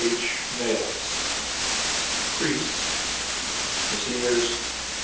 H. Mailes Priests Messrs.